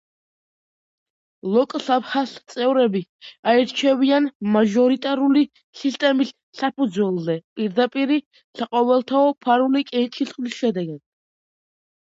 ლოკ-საბჰას წევრები აირჩევიან მაჟორიტარული სისტემის საფუძველზე პირდაპირი, საყოველთაო, ფარული კენჭისყრის შედეგად.